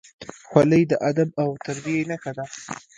خولۍ د ادب او تربیې نښه ده.